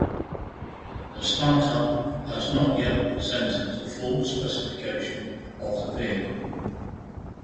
The startup has not yet presented the full specification of the vehicle.